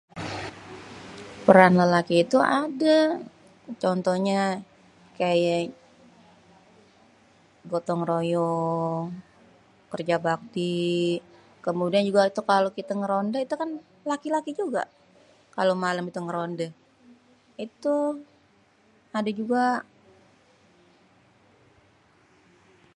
Peran lélaki itu ada, contohnyé kayé gotong-royong, kerja bakti, kémudian juga itu kalo kita ngêronda itu kan laki-laki juga, kalo malêm tu ngerondê. Itu adé juga.